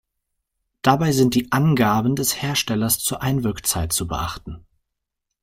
Dabei sind die Angaben des Herstellers zur Einwirkzeit zu beachten.